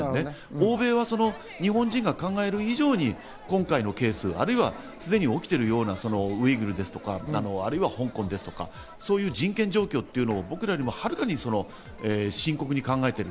欧米は日本人が考える以上に今回のケース、あるいはすでに起きているようなウイグルですとか香港ですとか人権状況というのを僕らよりはるかに深刻に考えている。